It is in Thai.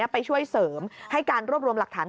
ไปช่วยเสริมให้การรวบรวมหลักฐาน